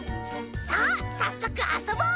さあさっそくあそぼう！